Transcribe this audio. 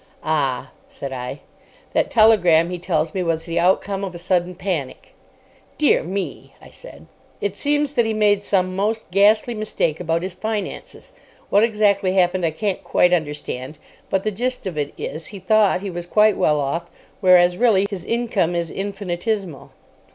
"Ah!" said I. "That telegram, he tells me, was the outcome of a sudden panic." "Dear me!" I said. "It seems that he made some most ghastly mistake about his finances. What exactly happened I can't quite understand, but the gist of it is, he thought he was quite well off, whereas, really, his income is infinitesimal."